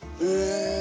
え！